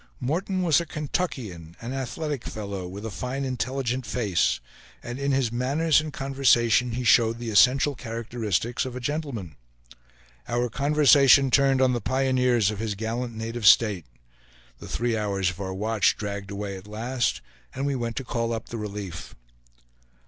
Morton was a Kentuckian, an athletic fellow, with a fine intelligent face, and in his manners and conversation he showed the essential characteristics of a gentleman. Our conversation turned on the pioneers of his gallant native State. The three hours of our watch dragged away at last, and we went to call up the relief.